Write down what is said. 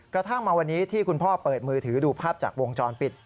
กระทั่งมาวันนี้ที่คุณพ่อเปิดมือถือดูภาพจากวงจรปิด